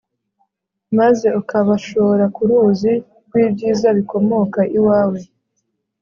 maze ukabashora ku ruzi rw'ibyiza bikomoka iwawe